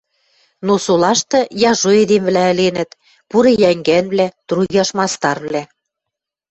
Но солашты яжо эдемвлӓ ӹленӹт, пуры йӓнгӓнвлӓ, труяш мастарвлӓ.